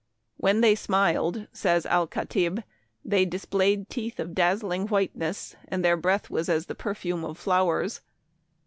' When they smiled,' says Al Kattib, ' they displayed teeth of dazzling whiteness, and their breath was as the perfume of flowers.'